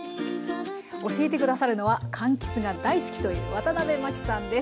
教えて下さるのはかんきつが大好きという渡辺麻紀さんです。